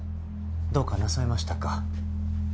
どうかなさいましたか？